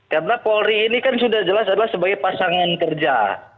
karena polri ini kan sudah jelas adalah sebagai pasangan kerja